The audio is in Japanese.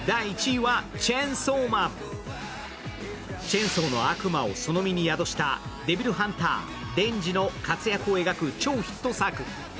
チェンソーの悪魔をその身に宿したデビルハンター・デンジの活躍を描く超ヒット作。